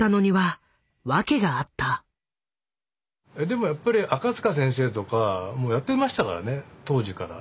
でもやっぱり赤塚先生とかもやってましたからね当時から。